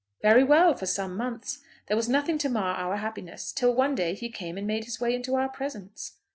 "Very well, for some months. There was nothing to mar our happiness, till one day he came and made his way into our presence."